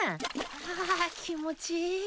はぁ気持ちいい。